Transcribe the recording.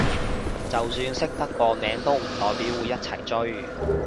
就算識得個名都唔代表會一齊追